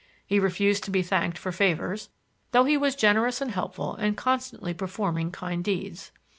He refused to be thanked for favors, though he was generous and helpful and constantly performing kind deeds.